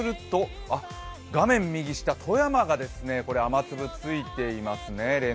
画面右下、富山が雨粒ついていますね。